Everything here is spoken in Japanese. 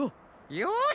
よし！